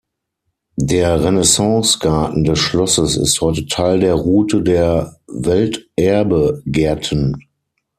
Der Renaissancegarten des Schlosses ist heute Teil der Route der Welterbe-Gärten.